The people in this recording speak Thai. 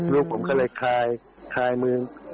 ลูกผมก็เลยคลายมือ